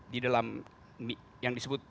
di dalam yang disebut